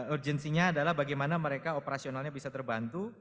urgensinya adalah bagaimana mereka operasionalnya bisa terbantu